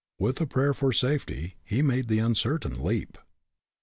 With a prayer for safety he made the uncertain leap.